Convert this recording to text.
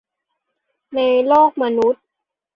ในโลกมนุษย์